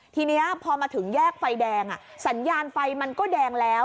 ทีนี้พอมาถึงแยกไฟแดงสัญญาณไฟมันก็แดงแล้ว